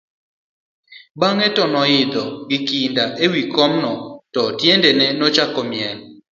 bang'e to noidho gi kinda e wi kom no, to tiendene nochako miel